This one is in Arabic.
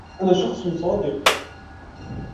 أنا شخص صادق.